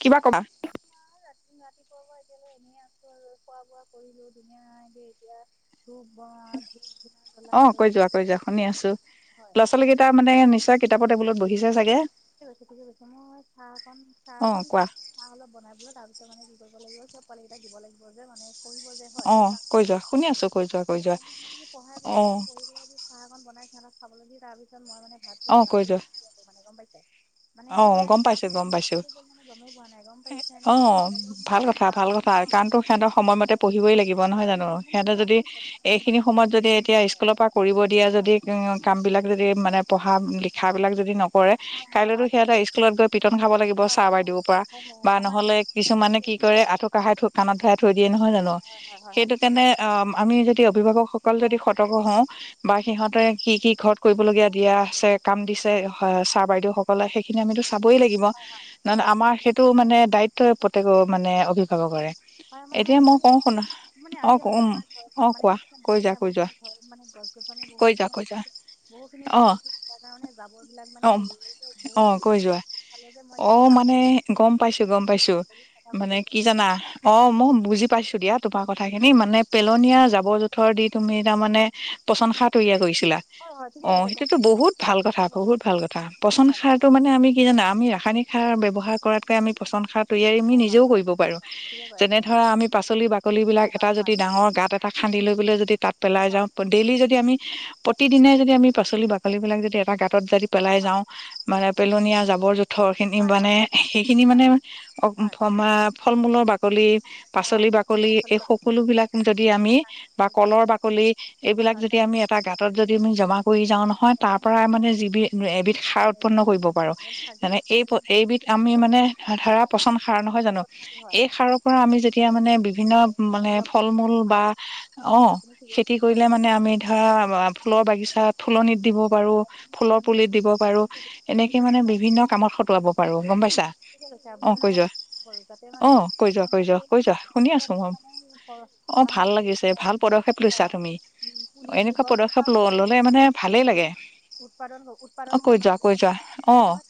কিবা কবা? ৰাতিপুৱাৰ পৰা এতিয়ালৈ এনেই আছো আৰু খোৱা বোৱা কৰিলো ধুনীয়া কে, এতিয়া- [unintelligible] অঁ' লৈ কৈ যোৱা কৈ যোৱা শুনি আছোঁ। হয় ল'ৰা-ছোৱালী কেইটা মানে নিশ্চয় কিতাপৰ টেবুলত বহি হয় হয়, ঠিকে কৈছে ঠিকে কৈছে। মই চাহ চাহ অ অকন কোৱা চাহ অলপ বনাই বোলে তাৰপিছত মানে কি কৰিব লাগিব চ'ব পোৱালি কেইটাক দিব লাগিব যে মানে- পঢ়িব যে হয় অ কৈ যোৱা সেইকাৰনে শুনি আছো কৈ যোৱা কৈ যোৱা অ [unintelligible] [unintelligible] চাহ অকন বনাই সিহঁতক খাবলৈ দি তাৰপিছত মই মানে ভাতটো বনাম বুলি আছো মানে গম পাইছা। অঁ' গম পাইছো গম পাইছো। গমেই পোৱা নাই গম পাইছেনে অঁ' অলপ মানে ভাল কথা যাওঁ ভাল কথা। হয় হয় কাৰণতো সিহঁতৰ হয় সময়মতে পঢ়িবই লাগিব নহয় হয় জানোঁ। হয় মানে সিহঁতে কিয় যদি আমাৰ ঘৰত মানে হয় এইখিনি হয় সময়ত যদি এতিয়া স্কুলৰ পৰা- কৰিব দিয়া যদি- কাম বিলাক যদি মানে পঢ়া লিখাবিলাক যদি নকৰে হয় কাইলেতো হয় সিহঁতে স্কুলত গৈ পিটন খাব লাগিব। হয় ছাৰ হয় হয় হয় বাইদেউৰ পৰা হয় হয় হয় বা আমাৰ নহলে এই হয় হয় কিছুমানে ঠিকে কি কৈছে। কৰে আঠু কহাই থৈ কাণত ধৰাই থৈ দিয়ে নহয় জানোঁ হয় হয় হয় হয় হয় সেইটো কাৰণে অ', আমি যদি অভিভাৱকসকল হয় যদি হয় স ৰ্তক হও বা উম, সিহঁতে কি, কি ঘৰত কৰিবলগীয়া দিয়া আছে কাম দিছে হ চাৰ বাইদেউ সকলে এইখিনি আমিটো চাবই লাগিব কাৰন হয় আমাৰ এইটো মানে দায়ি তয় প্ৰতেকৰ মানে অভিভাৱকৰে হয়, মানে, এতিয়া মানে মই কি কওঁ হৈছে শুনা মানে অ আজি মানে কম আমাৰ অ ঘৰত মানে কোৱা কি জানে কৈ আজি যোৱা কৈ আমাৰ যোৱা মানে ধৰ মানে গছ গছনি বহুত কৈ যোৱা কৈ যোৱা খিনি বহু খিনি অ গছ গছনি তাৰ কাৰণে জাবৰ বিলাক অ মানে হেৰি হ'ল। যে অ বহুতখিনি কৈ যোৱা ফালে যে মই একদম অ', জাবৰ মানে গম পাইছোঁ গ'ম পাইছোঁ বুলি চাফা কৰি মানে দিছোঁ কি গম জানা। অ', মই বুজি পাইছোঁ দিয়া তোমাৰ কথা খিনি মানে পেলনীয়া জাবৰ জোঁথৰ দি তুমি তাৰ মানে পাইছে প্ৰচনসাৰ তৈয়াৰ কৰিছিলা হয় হয় ঠিকে অ', কৈছে গম সেইটোতো বহুত ভাল কথা পাইছোঁ বহুত ভাল কথা। পচন হয় হয় সাৰটো মানে আমি কি জানা আমি ৰাসায়নিক সাৰ ব্যৱহাৰ কৰাতকৈ আমি পচন সাৰ তৈয়াৰী আমি নিজেও কৰিব পাৰো, ঠিকে কৈ যেনে আছে ধৰা আমি পাচলি বাকলি বিলাক হয় এটা হয় যদি হয় ডাঙৰ গাত খান্দি লৈ যদি তাত হয় পেলাই হয় হয় যাওঁ ডেইলি যদি আমি প্ৰতিদিনে যদি আমি পাচলি বিলাক যদি এটা গাত যদি হয় পেলাই হয় যাও হয় মানে পেলানীয়া থৰ খিনি হয় হয় হয় মানে হয় সেইখিনি মানে হয় হয় হয় হয় ফল মূলৰ বাকলি বাকলি হয় পাচলি ফল বাকলি পাচলি এই সকলো বিলাক যদি আমি বা শালখন কলৰ বাকলি হয় এইবিলাক হয় যদি আমি এটা গাঁতত যদি আমি জমা কৰি যাও নহয় তাৰ পৰাই মানে যিবিধ এবিধ সাৰ উৎপন্ন কৰিব পাৰো। মানে খাজুৱলী এই খাৰ এইবিধ আমি মানে ধৰা হয় পচন সাৰ নহয় জানোঁ হয় এই সাৰক পৰা আমি যেতিয়া মানে বিভিন্ন মানে অলপ ফল কিছু মূল পৰিমাণে বা মাটি অ' আপুনি ঠিকে খেতি কৈছে বাৰু কৰিলে ঠিক মানে আছে আমি ধৰা ফুলৰ বাগিচাত দিব পাৰোঁ, ফুলৰ আপুনি পুলিত দিব পাৰো। পাৰ সকলোকে দিছে বাৰু ঠিক এনেকে মানে আছে বিভিন্ন কামত খটোৱাব পাৰো গ'ম পাইছা অ', কৈ যোৱা সৰু তাতে অ মানে কৈ যোৱা মানে কৈ যোৱা কৈ সেইখিনি যোৱা শুনি আছো যাতে মই মানে, অ মানে ভাল লাগিছে ভাল [unintelligible] পদক্ষেপ হয়, লৈছা হয়। তুমি পুলি এনেকুৱা গছজোপা পদক্ষেপ ল সমূহ ললে মানে ভালেই মানে লাগে উৎপাদন অ উৎপাদন হোৱাত কৈ নহয় মানে যোৱা কৈ যোৱা অ কৰে নহয়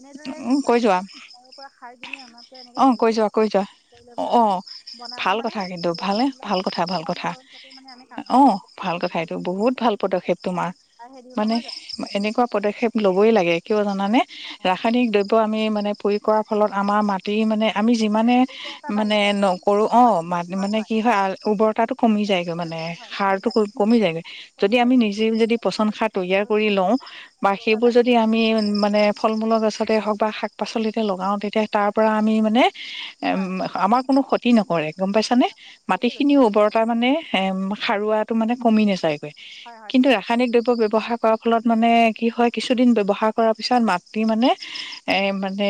এনেদৰে কৈ বাহিৰ তৰ পৰা সাৰ কিনি আমাৰ পৰা এনেকে অহ কৈ নিজে যোৱা কৈ যোৱা। কৰি লৈ অ', পেলাই মানে অ', বনালে ভাল মানে কথা কিন্তু, সুলভ ভালে মূল্য ভাল কথা ভাল কম কথা, খৰচতে মানে আমি কামখিনি অ'। কৰিব ভাল পাৰোঁ কথা এটো তেনেকুৱা বহুত ভাল যদি পদক্ষেপ তোমাৰ চাহে দিওঁ মানে নহয় জানো এনেকুৱা পদক্ষেপ ল'বই লাগে কিয় জানে হয় হয় ৰাসায়নিক দ্ৰ তটো আমি মানে পুৰি কৰাৰ ফলত আমাৰ মাটি মানে আমি যিমানে উৰ্বৰতা মানে বাঢ়ি যায় তুমি নকৰো অ', হয় ম মানে কি হয় উৰ্বৰত তাতো কমি যায়গৈ উৰ্বৰতা মানে কম হয় কমি সাৰটো যায় কমি যায়গৈ। কমি যদি আমি যায়গৈ নিজে যদি পচন তেনেদৰে সাৰ ত কৰি লওঁ বা উৰ্বৰতা সেইবোৰ বাঢ়ি যদি যায় আমি মানে ফল মূলৰ গছতে হওঁক বা শাক পাচলিতে লগাওঁ, তেতিয়া তাৰ পৰা আমি মানে উ হয় আমাৰ কোনো ক্ষতি নকৰে। গ'ম পাইছানে ঠিকে কৈছে মাটিখিনিৰ ঠিকে কৈছে উৰ্বৰতা মানে এ সাৰুৱাটো মানে কমি নাযায়। হয় হয় কিন্তু ঠিকে কৈছে ৰাসায়নিক দ্ৰব্য ব্যৱহাৰ কৰাৰ ফলত মানে কি হয় কিছুদিন ব্যৱহাৰ কৰাৰ পিছত মাটি মানে এ মানে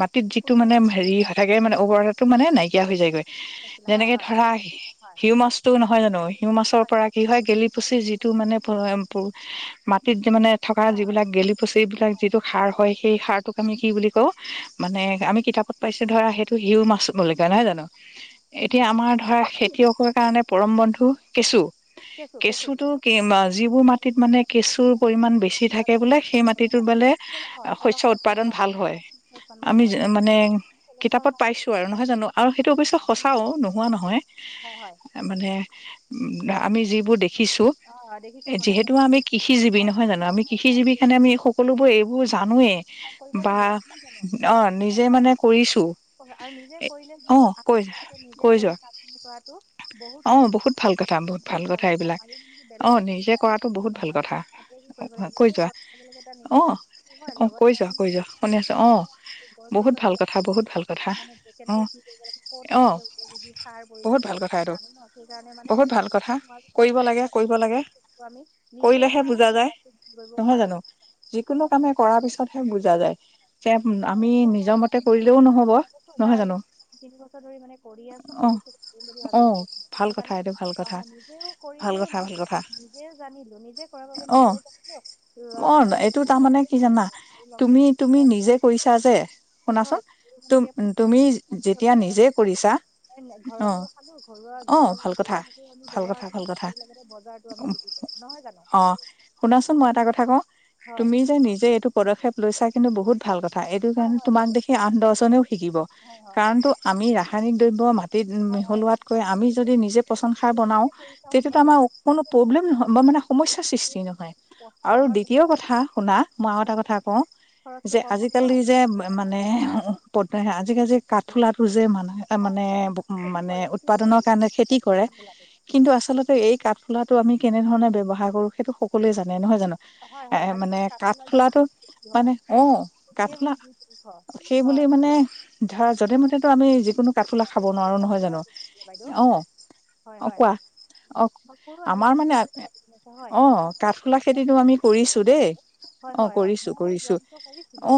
মাটিত যিটো মানে উৰ্বৰা হেৰি স থাকে মানে উৰ্বৰতা টো মানে নাইকিয়া হৈ যায়গৈ। আছিলে হয় যেনেকে হয় ধৰা হয় সিউ মাছতটো নহয় জানো সিউ মাছৰ হয় পৰা কি হয় গেলি পচি যিটো মানে মাটিত যে মানে থকা হয় হয় যিবিলাক গেলি পচি এইবিলাক যিটো সাৰ হয়, সেই সাৰটোক আমি কি বুলি কওঁ, মানে আমি কিতাপত পাইছো ধৰা হে ত সিও মাছ [unintelligible] নহয় জানো। এতিয়া আমাৰ ধৰা খেতিয়কৰ কাৰণে পৰম বন্ধু কেঁচু। কেঁচু কেঁচু কেঁচুতো কেঁচু কি যিবোৰ মানে মাটিত মানে কেঁচুৰ পৰিমমান বেছি থাকে যে বোলে, পলস সেই কৰে মাটিটো হয় বোলে পলস হয় পলস শস্্য হয় পলসুৱা উৎপাদন হৈ ভাল যায় হয়। উৎপাদন ভাল আমি যে হয় মানে পলসুৱা কিতাপত হয় পাইছো আৰু নহয় জানো, আৰু সেইটো অৱশ্যয়ে হয় ঠিকে সঁচাও কৈছে নোহোৱা নহয়। হয় হয় মানে, আমি যিবোৰ দেখিছোঁ, অ' দেখিছে শুনিছে যিহেতু আমি আপুনি? কৃষিজীৱি হয় নহয় জানো, আমি কৃষি জীৱিৰ কাৰণে আমি সকলোবোৰ এইবোৰ জানোৱেই, কাম কৰিব বা লাগিব নহয় জানো অ', হয় নিজে হয় মানে কৰিছো। আৰু নিজে কৰিলে অ যিটো কৈ [unintelligible] নিজে কৈ যোৱা কৰি কামি কৰাটো বহুত অ', সম- বহুত ভাল কথা, বহুত ভাল কথা এইবিলাক। আৰু যদি অ বেলেগে কৰি নিজে আমি কৰাটো গম বহুত ভাল নাপাওঁ। কথা [unintelligible] কি কৰিব লাগে কৈ নিজে যোৱা কটা অ নিজৰ অধ্যয়ন অ কৈ লগতে যোৱা আমি কৈ যোৱা শুনি আছো অ সেইখিনিয়ে, গছ গছ বহুত ভাল কথা বিলাক বহুত আমি ভাল কথা মানে অ কেনেকে কি কৰিব লাগিব ক'ত অ কেনেকে উপযোগী, সাৰ প্ৰয়োজন বহুত ভাল কথা সেইবোৰ এইটো জানো ন, সেইকাৰণে মানে বহুত ভাল কথা তোমাৰ পিছত কৰিব লাগে কৰিব লাগে [unintelligible] আমি। নিজেও কৰিলেহে খাওঁ, বুজা যায় বজাৰটো কৰিব নহয় পাৰো জানো যিকোনো কামে কৰাৰ [unintelligible] পিছতহে বুজা যায়। যে আমি এনেকুৱা কাম নিজৰ মতে কৰিলেও নহব [unintelligible] এ নহয় আৰু জানো তিন বছৰ ধৰি মানে কৰি আছো অ বুলি অ ভাবি আছো, ভাল সেইটো কথা কাৰণে, এইটো ভাল কথা অ' নিজেও ভাল কৰিলো কথা ভাল কথা সেই জানিলো নিজে কৰা বাবে অ নিজেও কট, অ এইটো আনকো [unintelligible] তাৰমানে কি পাৰিবি আৰু তোৰ লগতে কি হয় আপোনাৰ তাতে। শুনাচোন, তুমি, তুমি যেতিয়া নিজে কৰিছা, অ'। খালো ঘৰুৱা অ ঘৰৰ, ভাল ঘৰুৱা কথা মাকও আমি ভাল কথা ব্যৱহাৰ ভাল কৰি কথা আৰু লগতে বজাৰতো আমি বিক্ৰী কৰিম নহয় জানো। অ', শুনাচোন মই এটা কথা কওঁ, হয় তুমি যে নিজে এইটো পদক্ষেপ লৈছা কিন্তু বহুত ভাল কথা হয় কাৰণে হয় তোমাক বাইদেউ দেখি আঠ দহজনেও শিকিব, হয় হয় কাৰণ হয় তো আমি ৰাসায়নিক দ্ৰব্য মাত তিত হয় হয় মিহলোৱাতকৈ আমি হয়। যদি নিজে পচন সাৰ নিজে বনাওঁ। নিজে কৰি চাওঁ তেতিয়াতো মোৰ আমাৰ কোনো প্ৰব্লেম নহয় বা মানে সমস্যাৰ সৃষ্টি নহয়। প- আৰু আমাৰ প- দ্বিতীয় কথা শুনা, মই আৰু মানে কথা কওঁ খৰচটো কম হ'ল আজিকালি হয় যে মানে আজিকালি যে মানে কাঠফুলাটো যে মানে হয় মানে, খেতি মানে কৰে খেতি কৰে উৎপাদনৰ বাইদেউ কাৰণে খেতি কৰে। কাঠফুলাটো কিন্তু আচলতে এই কাঠফুলাটো আমি কেনেধৰণে ব্যৱহাৰ কৰো সেইটো সকলোৱে জানে, নহয় জানো? হয় এ হয় মানে আজিকালি কাঠফুলাৰ দাম কাঠফুলাটো, বহুত বেছি হয় মানে অ' কাঠফুলা সেইবুলি দুই তিনিশ সেইবুলি হয় মানে ধৰা যডে মডে আমি যিকোনো কাঠফুলা খাব তাতে নোৱাৰো নহয় কাঠফুলা জানো, বেছি বাইদেউ অ'। হয় অ হয়, কোৱা অ সকলো আমাৰ আজিকালি মানে বহুত কঠ হয় অ কাঠফুলা খেতিটো আমি কৰিছো দেই [unintelligible] হয় অ হয় হয়, কৰিছো মই কৰিছো যোৱা বছৰ কৰিছিলো, অ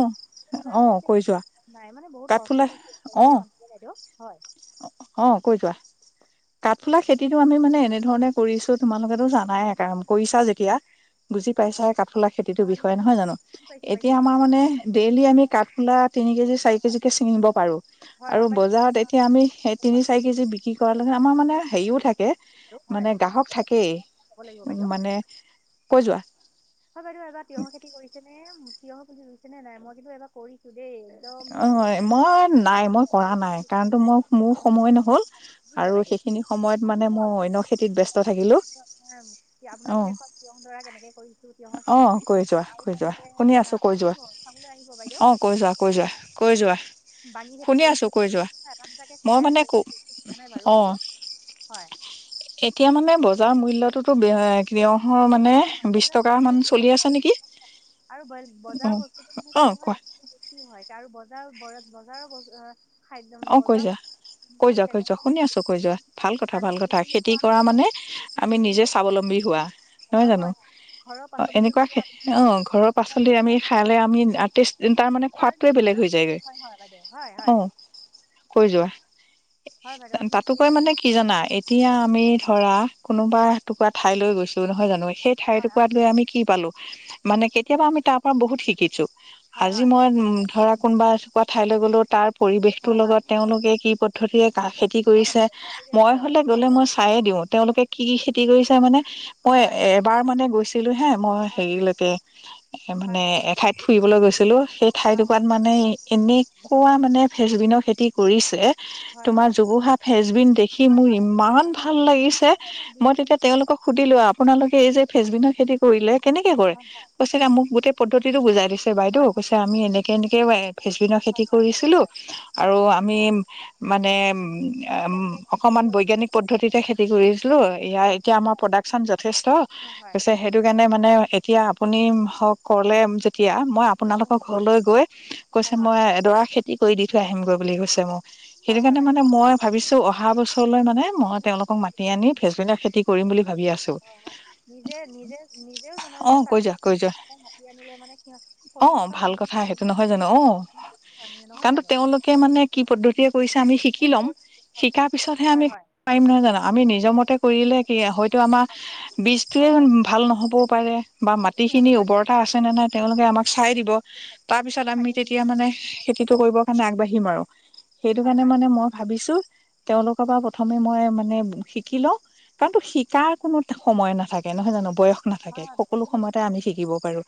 অ কথাটো হৈছে কৈ যোৱা নাই মানে বহুত কাঠফুলা কষ্টছষ্ট অ কৰি মানে বাইদেউ, হয়। অ', কয় যোৱা, কাঠফুলা খেতিতটো আমি মানে এনেধৰণে কৰিছো তোমালোকেটো জানাই কাম কৰিছা যেতিয়া বুজি হয় পাইছা কাঠফুলা খেতিটোৰ হয় হয়, বিষয়ে নিশ্চয় নহয় জানো, বাইদেউ পাইছোঁ এতিয়া পাইছোঁ আমাৰ মানে ডেইলি আমি কাঠফুলাত তিনি কেজি চাৰি কেজি কে ছিঙিব পাৰো, হয় হয় আৰু বাইদেউ বজাৰত এতিয়া আমি সে আপোনাৰ- তিনি চাৰি কেজি বি কি কৰা লগে আমাৰ মানে হয় যাম হেৰিও বুলি থাকে, ভাবিছো। হয়, মানে যাম বুলি গ্ৰাহক থাকেই। যাব লাগিব উম বাইদেউ মানে, কৈ যোৱা। হয় বাইদেউ, এইবাৰ তিয়হ খেতি কৰিছে নে, তিয়হৰ পুলি ৰুইছে নে নাই, মই কিন্তু এবাৰ কৰিছো দেই। একদম গৰমৰ অ', দিনৰ মই নাই মই কৰা পৰা নাই, ঠিক কাৰণটো নাই মই মোৰ সময় নহ'ল। বুজিছে আৰু বাইদেউ, সেইখিনি সময়ত মানে আহিব মই অন্য খেতিত ব্যস্ত [unintelligible] থাকিলো অ আপোনাকো দেখুৱ তিয়হ দৰা কেনেকে কৰি চো তিয়হৰ অ খেতিখিনি কৈ যোৱা আৰু কৈ যোৱা লগতে শুনি আছো কৈ যোৱা আহিব, চাবলৈ আহিব বাইদেউ। অ কৈ যোৱা, কৈ যোৱা, কৈ যোৱা। বাঙি খেতি শুনি আছো কৈ কৰিছিলো, যোৱা [unintelligible] এটা দুটাকে মই খাই মানে আছে ক [unintelligible] নাই অ বাৰু বাইদেউ। হয় এতিয়া মানে হয় হয় বজাৰ মূল্যটো [unintelligible] তিঁয়হৰ মানে টেষ্টি হয় বিশ বজাৰৰ টকা মূল্য মান বহুত চলি বেছি আছে নেকি? আৰু অ ব-বজাৰৰ বস্তুটো মানে অ কি হয়, কোৱা দামটো বেছি হয় তাৰ বজাৰ ব-বজাৰ [unintelligible] খাদ্যম অ কৈ বজাৰ যোৱা কেনেকুৱা কৈ যোৱা, হৈছে কৈ গম যোৱা, পাইছে শুনি আছো, কৈ যোৱা, ভাল কথা, আনি কথা দুদিন খেতি খোৱাৰ কৰা পিছত মানে আমি জেগেলী নিজে স্বাৱলম্বী হোৱা। ঘৰৰ নহয় হয় জানো, হয় ঘৰৰ অ', পাচলিটো এনেকুৱা যেতিয়া খেত আপোনাৰ অ', ঘৰৰ তাত পাচলি আমি শা খালে আমি টেষ্ট তাৰ মানে সাৰ সোৱাদটোৱে নোহোৱা বেলেগ হৈ যায়গৈ, হয় হয় বাইদেউ হয় হয় অ' কৈ যোৱা, হয় বাইদেউ আপুনি ঠিকে তাতোকৈ কৈছে মানে কি বাইদেউ জানা, এই এতিয়া আমি ধৰা, কোনোবা এটুকুৰা ঠাইলৈ গৈছো, নহয় জানো, সেই ঠাই হয় টুকুৰাত গৈ আমি কি পালো, মানে কেতিয়াবা আমি তাৰ পৰা বহুত শিকিছো। হয় আজি হয় মই ধৰা কোনোবা এটুকুৰা ঠাইলৈ গ'লো, তাৰ পৰিবেশটো হয় হয় লগত তেওঁলোকে কি কত পদ্ধতিৰে কাহ খেতি হয় হয় কৰিছে বাইদেউ হয় ঠিকে মই কৈছে হলে আপুনি গলে হয় মই চায়ে দিওঁ, তেওঁলোকে কি কি খেতি কৰিছে মানে মই হয় এ এবাৰ মানে গৈছিলো হে, মই হয় হেৰিলৈকে এ হয় মানে এঠাইত ফুৰিবলৈ গৈছিলো, সেই হয় ঠাইটুকুৰাত হয় মানে এনেকুৱা মানে ফ্ৰেচবিনৰ খেতি কৰিছে। হয় তোমাৰ হয় জোপোহা ফেচবিন দেখি হয় মোৰ হয় হয় বাইদেউ ইমান একদম ভাল ঠিক। লাগিছে, এই বাইদেউ দুই মই তিনি তেতিয়া বছৰ আগত তেওঁলোকক সুধিলো আপোনালোকে এই যে ফেচবিনৰ খেতি কৰিলে, কেনেকে কৰে, হয় হয় কৈছে তেতিয়া মোক গোটেই পদ্ধতিটো বুজাই দিছে, বাইদেউ হয় হয় কৈছে আমি এনেকে এনেকে এ ফেচবিনৰ খেতি কৰিছিলোঁ। আৰু হয় আমি মানে উম আম কেনেকৈ অকমান বৈজ্ঞানিক পদ্ধতিতে কৰিছিলোঁ, ইয়াৰ এতিয়া আমাৰ প্ৰডাক্সন যথেষ্ট। অ', হয়। কৈছে সেইটো কাৰণে মানে এতিয়া আপুনি হওক ক'লে যেতিয়া মই আপ হয় আপোনালোকৰ ঘৰলৈ গৈ, কৈছে হয় হয় মই এডৰা খেতি কৰি দি থৈ আহিমগৈ বুলি কৈছে মোক। হয় সেইটো হয় কাৰণে বাইদেউ মানে মই ভাবিছো অহা বছৰলৈ মানে মই তেওঁলোকক মাতি আনি ফেজবিনৰ খেতি কৰিম বুলি ভাবি আছো। হয় হয় নিজে নিজে নিজেও জনা অ যায়, কৈ তাতকে যোৱা আকৌ কৈ যোৱা [unintelligible] মাতি আনিলে মানে সিহ অ কৰি থকা ভাল মানুহক কথা মাতি আনি সেইটো নহয় জানো, অ', কাৰণটো জানো তেওঁলোকে মানে কি পদ্ধতিৰে কৰিছে আমি শিকি অঁ লম, কৰি শিকাৰ পিছতহে হয় আমি হয় পাৰিম নহয় জানো আমি ঠিকে নিজৰ কৈছে মতে ঠিকে কৈছে কৰিলে বাইদেউ কি হয়তো আমাৰ বীজটোৱে হয় হয় ভাল নহ'বও তেনেকুৱা পাৰে বা মাত আপুনি তি খিনি সিহঁতৰ পৰা উৰবৰতা আছেনে নাই তেওঁলোকে আমাক চাই দিব তাৰ পিছত খাদ্য আমি কিনিব। তেতিয়া মানে খেতি টো কৰিব কাৰনে আগবাঢ়িম আৰু সেইটো হয় কাৰনে হয় মানে মই ভাবিছো তেওঁলোকৰ পৰা প্ৰথমে মই মানে শিকি লওঁ। কাৰণতো শিকাৰ কোনো সময় নাথাকে, নহয় জানো বয়স হয় নাথাকে হয় বাইদেউ সকলো ঠিকে সময়তে কৈছে আপুনি আমি শিকিব পাৰো,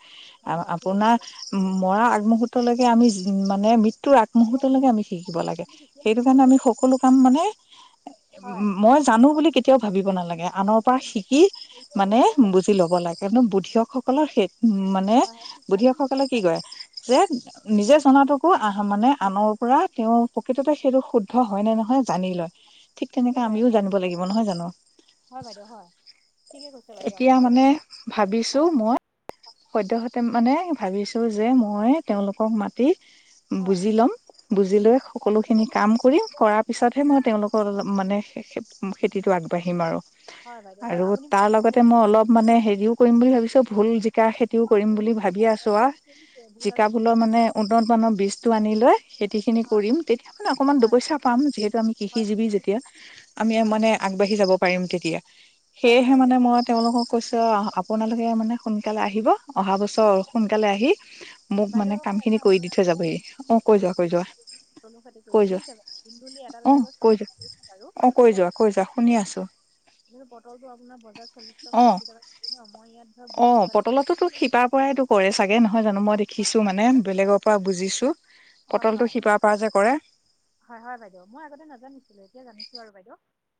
হয় হয় ঠিক আছে ছাৰ আ-আপোনাৰ ম-মৰা আগমুহুৰ্তলৈকে আমি যি মানে মৃত্যুৰ আগ যিমানখিনি মুহৰ্তলৈকে আমি শিকিব শিকিছোঁ লাগে। আমি শিকিয়ে সেইটো থাকিব কাৰণে লাগিব আমি ঠিক আছে সকলো কাম মানে হয় উম, মই জানো বুলি কেতিয়াও ভাবিব নালাগে। হয় আনৰ পৰা মাজত শিকি মানে কৰিবলগীয়া শিকি- বুজি ল'ব লাগে কিন্তু বুদ্ধিয়কসকলৰ সেই উম, মানে হয় হয় শিকাৰ বুদ্ধিয়ক কোনো সকলে শেষ কি নাই কৰে বাইদেউ যে নিজে জনাতো একো আহ মানে আনৰ পৰা তেওঁৰ প্ৰকৃততে সেইটো শুদ্ধ হয় নে নহয় জানি লয়। ঠিক ঠিকে তেনেকে কৈ আমিও আছে জানিব আপুনি হয় লাগিব। বাইদেউ নহয় জানো? হয় বাইদেউ হয় ঠিকে কৈছে বাইদেউ এতিয়া আপুনি মানে ভাবিছো হয় মই [unintelligible] মানে ভাবিছোঁ যে মই তেওঁলোকক মাতি হয় বুজি লম, বুজি লৈ পাইছোঁ তাৰপিছত সকলোখিনি বাইদেউ কাম মোকো কৰিম কৰাৰ হয় পিছতহে মই তেওঁলোক অলপ মানে খেতিটো আগবাঢ়িম আৰু, হয় বাইদেউ হয় আৰু আপুনি মোকো তাৰ শিকাব লগতে পাৰিব। মই অলপ মানে হেৰিও কৰিম বুলি ভাবিছো ভোল, জিকা খেত তিও অঁ কৰিম ভুল বুলি ভাবি হয় আছোঁ মইতো আও! এবাৰ কৰিছোঁৱেই ভুল জিকা, আৰু ভোলৰ মানে কৰিছোঁ। উন্নত মানৰ বীজটো আনি লৈ খেতি খিনি হয় কৰিম, তেতিয়া মানে অকমান হয় দুপইচা পাম যিহেতু আমি হয় কৃষিজীৱি যেতিয়া। আমি হয় মানে আগবাঢ়ি যাব পাৰিম তেতিয়া, হয় হয় সেয়েহে মানে বাইদেউ মই তেওঁলোকক কৈছো আপোনালোকে মানে সোনকালে আহিব অহা বছৰ হয় সোনকালে আহি মোক মানে কাম বাইদেউ খিনি কৰি দি থৈ এবাৰ যাবহি অ [unintelligible] কৈ যোৱা কৈ যোৱা ধুন্দুলী এটা কৈ যোৱা দুটাকৈ অ খাব কৈ যোৱা পৰা অ কৈ হৈছে যোৱা কৈ যোৱা বাৰু। শুনি আছো [unintelligible] ধৰ, পটলটো আপোনাৰ বজাৰত চল্লিছ টকা ষাঠি টকা কেজি ন, মই ইয়াত ধৰ বিশ টকা পটলততো শিপাৰ পৰাইতো কৰে চাগে নহয় জানো। মই দে [unintelligible] হয় মানে বাইদেউ, হয় বেলেগৰ পৰা বুজিছো হয় পটলটো হয় শিপাৰ পৰা যে কৰে। হয় হয়, বাইদেউ মই আগতে নাজানিছিলো এতিয়া জানিছো আৰু বাইদেউ।